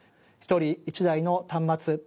一人１台の端末